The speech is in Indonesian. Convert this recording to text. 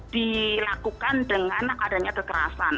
dilakukan dengan adanya kekerasan